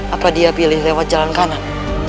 apa dia pilih lewat jalan kanan